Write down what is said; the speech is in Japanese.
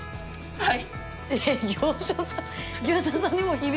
はい。